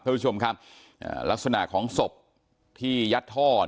ทุกผู้ชมครับลักษณะของศพที่ยัดท่อ